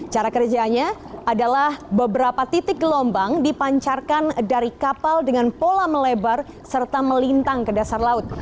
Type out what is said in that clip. cara kerjanya adalah beberapa titik gelombang dipancarkan dari kapal dengan pola melebar serta melintang ke dasar laut